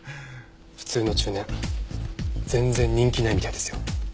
普通の中年全然人気ないみたいですよ。